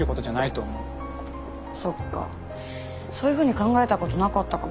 そういうふうに考えたことなかったかも。